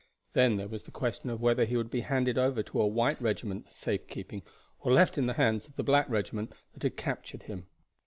Then there was the question whether he would be handed over to a white regiment for safekeeping or left in the hands of the black regiment that had captured him.